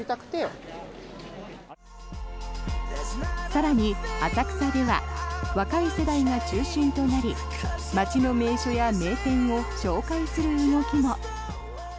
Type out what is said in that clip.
更に、浅草では若い世代が中心となり街の名所や名店を紹介する動きも。